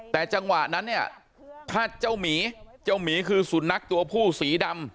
แต่จังหวะนั้นถ้าเจ้าหมีที่คือสูญนักตัวผู้สีดำ